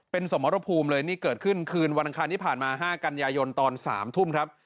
เป็นสมรภูมิเลยนี่เกิดขึ้นคืนวันอังคารที่ผ่านมา๕กันยายนตอน๓ทุ่มครับ